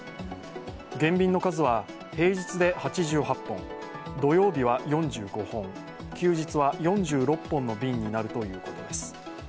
減便の数は平日で８８本土曜日は４５本、休日は４６本の便になるということです。